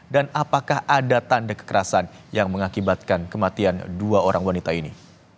apakah ada tanda kekerasan yang mengakibatkan kematian dua orang wanita ini